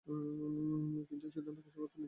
কিন্তু এই সিদ্ধান্ত কৌশলগতভাবে নিতেই হবে।